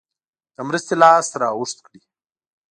د مرستې لاس را اوږد کړي.